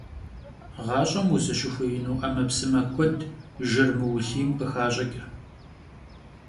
Ğaş'em vuzışıxuêinu 'emepsıme kued jjır mıulhiym khıxaş'ıç'.